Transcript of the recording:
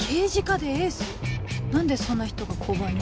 何でそんな人が交番に？